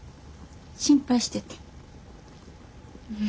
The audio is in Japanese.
心配しててん。